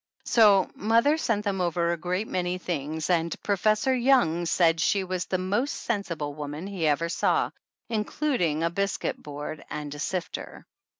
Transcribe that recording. So mother sent them over a great many things and Professor Young said she was the most sen sible woman he ever saw, including a biscuit board and a sifter.